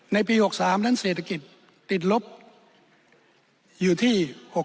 ในปี๖๓นั้นเศรษฐกิจติดลบอยู่ที่๖๖